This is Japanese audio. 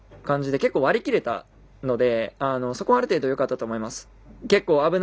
割り切れたので、そこはある程度よかったと思います。